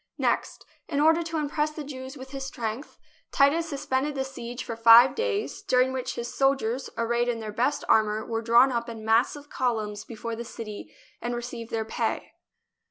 Next, in order to impress the Jews with his strength, Titus suspended the siege for five days, during which his soldiers, arrayed in their best ar mour, were drawn up in massive columns before the city and received their pay.